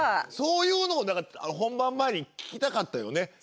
そういうのを何か本番前に聞きたかったよね。